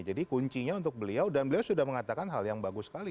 jadi kuncinya untuk beliau dan beliau sudah mengatakan hal yang bagus sekali